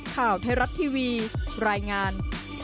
ข่าวไทยรัฐทีวีรายงาน